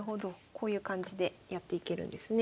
こういう感じでやっていけるんですね。